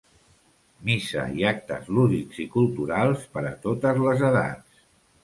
Missa i actes lúdics i culturals per a totes les edats.